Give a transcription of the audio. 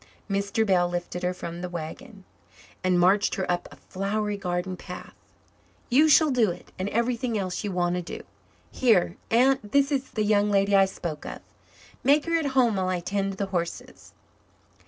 Mr. Bell lifted her from the wagon and marched her up a flowery garden path. "You shall do it, and everything else you want to. Here, Aunt, this is the young lady I spoke of. Make her at home while I tend to the horses."